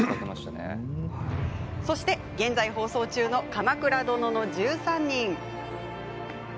そして、現在放送中の「鎌倉殿の１３人」。